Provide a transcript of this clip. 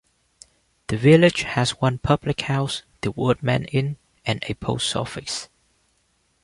The village has one public house, The Woodman Inn, and a post office.